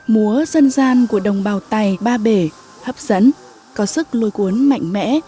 múa dân gian của đồng bào tày ba bể hấp dẫn có sức lôi cuốn mạnh mẽ